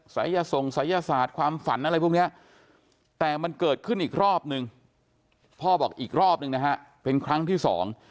ส่งศัยศาสตร์ความฝันอะไรพวกเนี้ยแต่มันเกิดขึ้นอีกรอบนึงพ่อบอกอีกรอบนึงนะฮะเป็นครั้งที่สอง